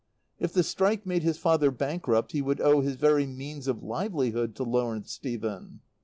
If the strike made his father bankrupt he would owe his very means of livelihood to Lawrence Stephen.